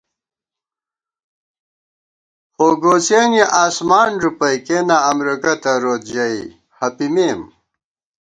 خوگوڅِیَنی آسمان ݫُپَئ، کېنا امرېکہ تروت ژَئی ہَپِمېم